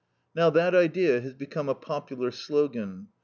Now that idea has become a popular slogan.